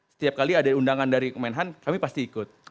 setiap kali ada undangan dari kemenhan kami pasti ikut